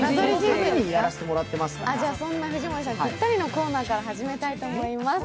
そんな藤森さんにピッタリのコーナーから始めたいと思います。